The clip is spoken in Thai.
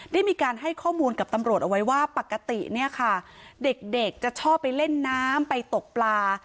ได้มีการให้ข้อมูลกับตำรวจเอาไว้ว่าปกติเนี่ยค่ะเด็กจะชอบไปเล่นน้ำไปตกปลา